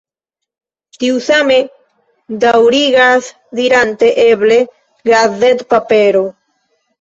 Tiu same daürigas dirante eble gazetpapero.